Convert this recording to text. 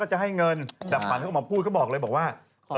ก็จะให้เงินแต่ขวัญเขามาพูดก็บอกเลยว่า